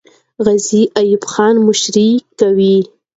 غازي ایوب خان مشري کوي.